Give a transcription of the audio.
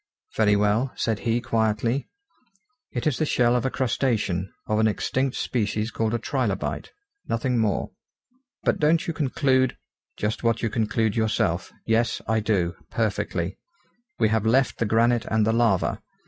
"Very well," said he quietly, "it is the shell of a crustacean, of an extinct species called a trilobite. Nothing more." "But don't you conclude ?" "Just what you conclude yourself. Yes; I do, perfectly. We have left the granite and the lava.